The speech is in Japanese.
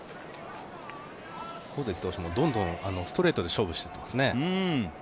大関投手もどんどんストレートで勝負していってますね。